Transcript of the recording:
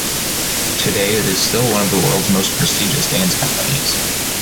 Today it is still one of the world’s most prestigious dance companies.